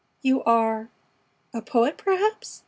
"You are a poet, perhaps?"